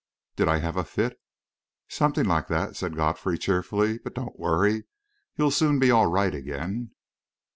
"Did I have a fit?" "Something like that," said Godfrey, cheerfully; "but don't worry. You'll soon be all right again."